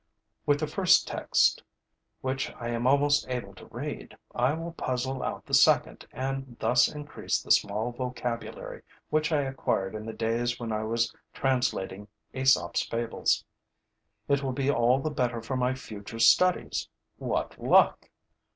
With the first text, which I am almost able to read, I will puzzle out the second and thus increase the small vocabulary which I acquired in the days when I was translating Aesop's Fables. It will be all the better for my future studies. What luck!